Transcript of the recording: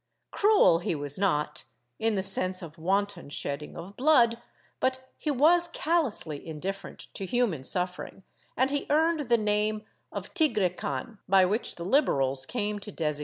Cruel he was not, in the sense of wanton shedding of blood, but he was callously indifferent to human suffering, and he earned the name of Tigrekan, by which the Liberals came to designate him.